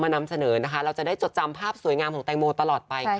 นำเสนอนะคะเราจะได้จดจำภาพสวยงามของแตงโมตลอดไป